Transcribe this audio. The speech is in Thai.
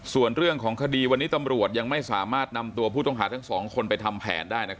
ส่วนเรื่องของคดีวันนี้ตำรวจยังไม่สามารถนำตัวผู้ต้องหาทั้งสองคนไปทำแผนได้